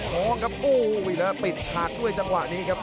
ท้องครับโอ้โหแล้วปิดฉากด้วยจังหวะนี้ครับ